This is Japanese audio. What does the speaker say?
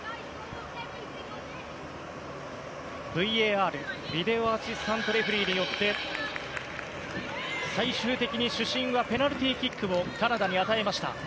ＶＡＲビデオアシスタントレフェリーによって最終的に主審はペナルティーキックをカナダの選手に与えました。